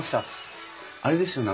あれですよね